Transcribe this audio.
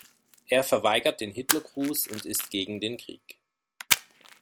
Er verweigert den Hitlergruß und ist gegen den Krieg.